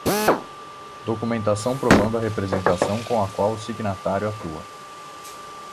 Documentação provando a representação com a qual o signatário atua.